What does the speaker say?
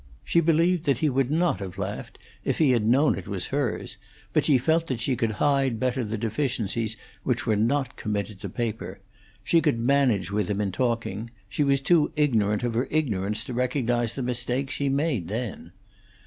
She believed that he would not have laughed if he had known it was hers; but she felt that she could hide better the deficiencies which were not committed to paper; she could manage with him in talking; she was too ignorant of her ignorance to recognize the mistakes she made then.